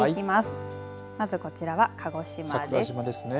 まず、こちらは、鹿児島です。